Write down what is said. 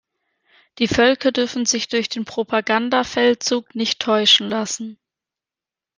Die Völker dürfen sich durch den Propagandafeldzug nicht täuschen lassen.